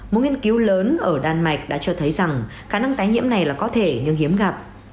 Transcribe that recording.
một nghiên cứu lớn ở đan mạch đã cho thấy rằng khả năng tái nhiễm này là có thể nhưng hiếm gặp